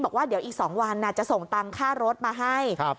บอกว่าเดี๋ยวอีกสองวานนะจะส่งตังค่ารถมาให้ครับ